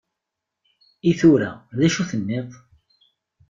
I tura, d acu tenniḍ?